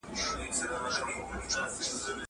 زه اوس کتاب وليکم..